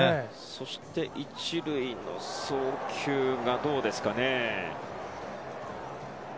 そして１塁の送球がどうですかね。